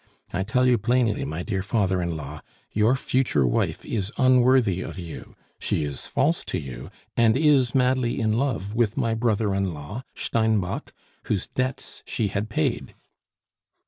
I tell you plainly, my dear father in law, your future wife is unworthy of you, she is false to you, and is madly in love with my brother in law, Steinbock, whose debts she had paid."